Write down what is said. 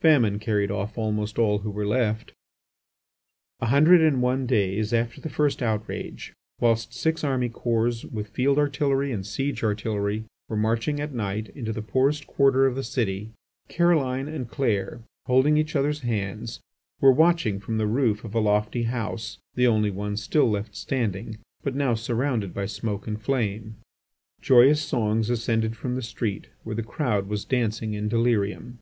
Famine carried off almost all who were left. A hundred and one days after the first outrage, whilst six army corps with field artillery and siege artillery were marching, at night, into the poorest quarter of the city, Caroline and Clair, holding each other's hands, were watching from the roof a lofty house, the only one still left standing, but now surrounded by smoke and flame, joyous songs ascended from the street, where the crowd was dancing in delirium.